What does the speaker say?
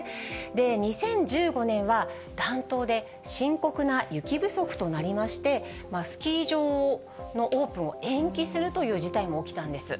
２０１５年は暖冬で、深刻な雪不足となりまして、スキー場のオープンを延期するという事態も起きたんです。